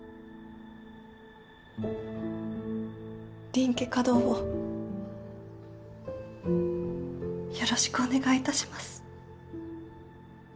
林家華道をよろしくお願いいたします。